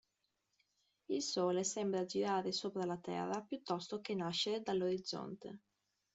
Il sole sembra girare sopra la terra piuttosto che nascere dall'orizzonte.